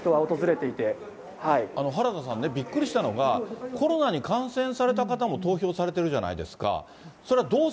原田さんね、びっくりしたのが、コロナに感染された方も投票されてるじゃないですか。